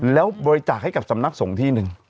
แล้วบริจาคให้กับสำนักสงฆ์ที่หนึ่ง